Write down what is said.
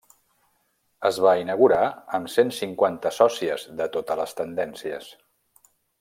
Es va inaugurar amb cent cinquanta sòcies de totes les tendències.